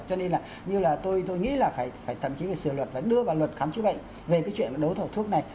cho nên là tôi nghĩ là phải thậm chí phải sửa luật phải đưa vào luật khám chức bệnh về cái chuyện đấu thổ thuốc này